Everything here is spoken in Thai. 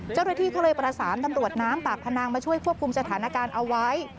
เจ้าหน้าที่ก็เลยประสานตำรวจน้ำปากพนังมาช่วยควบคุมสถานการณ์เอาไว้